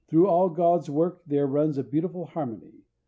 Through all God's works there runs a beautiful harmony.